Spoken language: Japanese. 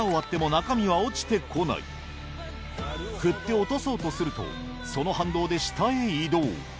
振って落とそうとするとその反動で下へ移動